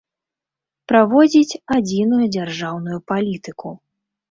Праводзiць адзiную дзяржаўную палiтыку.